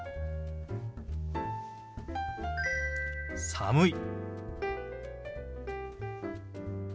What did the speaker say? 「寒い」。